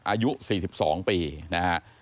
อายุ๔๒ปีนะฮะ